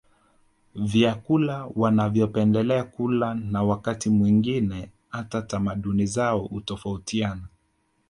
Vyakula wanavyopendelea kula na wakati mwingine hata tamaduni zao utofautiana